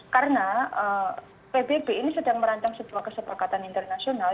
karena pbb ini sedang merancang sebuah kesepakatan internasional